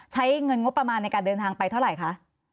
ใช้เงินงบประมาณในการเดินทางไปเท่าไหร่คะ